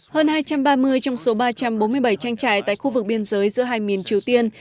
hơn hai trăm ba mươi trong số ba trăm bốn mươi bảy tranh trại tại khu vực biên giới giữa hai miền triều tiên